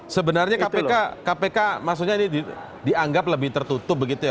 sebenarnya kpk maksudnya ini dianggap lebih tertutup begitu ya